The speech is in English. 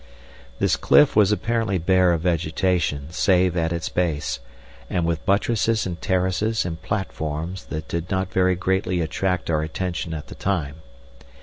This cliff was apparently bare of vegetation save at its base, and with buttresses and terraces and platforms that did not very greatly attract our attention at the time.